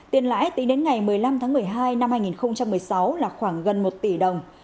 tiền lãi tính đến ngày một mươi năm tháng một mươi hai năm hai nghìn một mươi sáu là khoảng gần một tỷ đồng